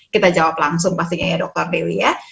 kita jawab langsung pastinya ya dokter dewi ya